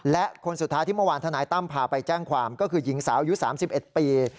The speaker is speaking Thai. และคนสุดท้ายที่เมื่อวานทนายตั้มพาไปแจ้งความก็คือหญิงสาวอายุ๓๑ปี